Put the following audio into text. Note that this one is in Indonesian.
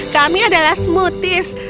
kami adalah smoothies